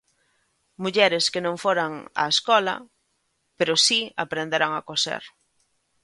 Mulleres que non foran a escola, pero si aprenderan a coser.